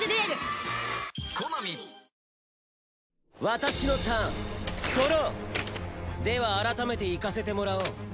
私のターンドロー！では改めていかせてもらおう。